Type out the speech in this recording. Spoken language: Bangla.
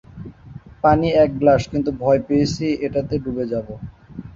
পানি একগ্লাস কিন্তু ভয় পেয়েছি এটাতে ডুবে যাবো।